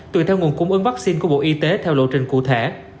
tùy theo nguồn cung ứng vaccine của bộ y tế theo lộ trình cụ thể